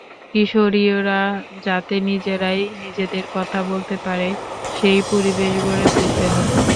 কিশোরীরা যাতে নিজেরাই নিজেদের কথা বলতে পারে, সেই পরিবেশ গড়ে তুলতে হবে।